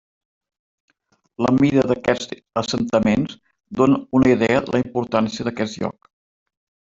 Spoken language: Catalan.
La mida d'aquests assentaments donen una idea de la importància d'aquest lloc.